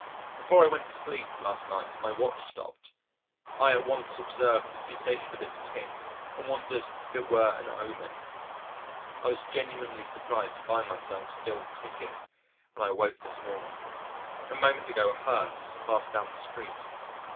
Before I went to sleep last night, my watch stopped I at once observed the cessation of its tick and wondered if it were an omen. I was genuinely surprised to find myself still ticking when I awoke this morning. A moment ago a hearse passed down the street....